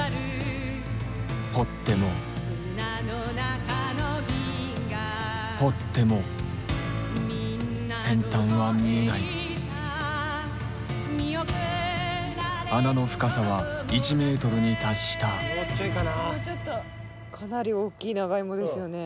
掘っても掘っても先端は見えない穴の深さは１ｍに達したかなり大きいナガイモですよね。